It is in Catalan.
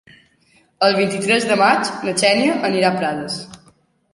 El vint-i-tres de maig na Xènia anirà a Prades.